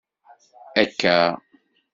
Akka!